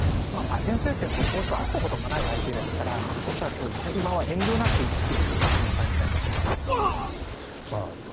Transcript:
バイデン政権というのは交渉があったこともない相手ですからおっしゃるとおり今は遠慮なく撃っている感じがいたします。